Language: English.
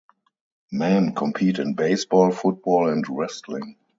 Men compete in baseball, football, and wrestling.